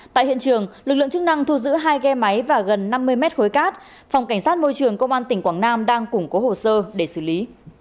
tại hiện trường lực lượng chức năng thu giữ hai ghe máy và gần năm mươi mét khối cát phòng cảnh sát môi trường công an tỉnh quảng nam đang củng cố hồ sơ để xử lý